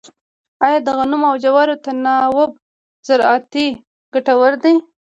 آیا د غنمو او جوارو تناوب زراعتي ګټور دی؟